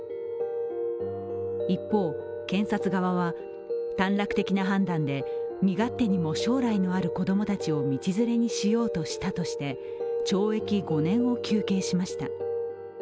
一方、検察側は、短絡的な判断で、身勝手にも将来のある子供たちを道連れにしようとしたとして懲役５年を求刑しました。